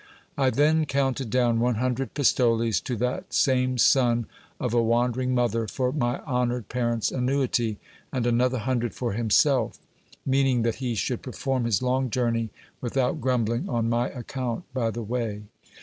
I then counted down one hundred pistoles to that same son of a wan dering mother for my honoured parents' annuity, and another hundred for him self; meaning that he should perform his long journey without grumbling on my account by the way.